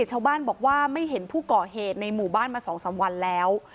ชาวบ้านบอกว่าไม่เห็นผู้ก่อเหตุในหมู่บ้านมา๒๓วันแล้ว